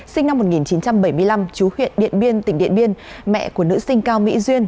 sinh năm một nghìn chín trăm bảy mươi năm chú huyện điện biên tỉnh điện biên mẹ của nữ sinh cao mỹ duyên